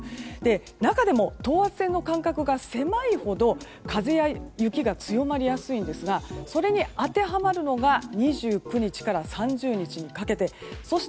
中でも、等圧線の間隔が狭いほど風や雪が強まりやすいんですがそれに当てはまるのが２９日から３０日にかけてそして